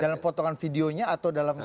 dalam potongan videonya atau dalam